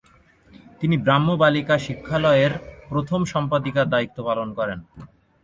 তিনি ব্রাহ্ম বালিকা শিক্ষালয়ের প্রথম সম্পাদিকার দায়িত্ব পালন করেন।